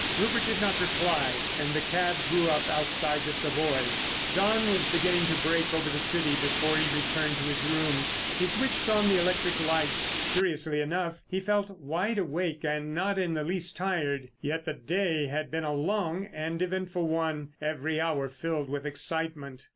Rupert did not reply, and the cab drew up outside the Savoy. Dawn was beginning to break over the City before he returned to his rooms. He switched on the electric lights. Curiously enough, he felt wide awake and not in the least tired. Yet the day had been a long and eventful one, every hour filled with excitement.